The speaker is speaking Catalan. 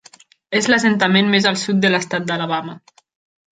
És l'assentament més al sud de l'estat d'Alabama.